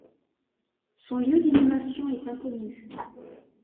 Son lieu d'inhumation est inconnu.